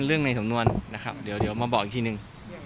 ในสำนวนนะครับเดี๋ยวมาบอกอีกทีนึง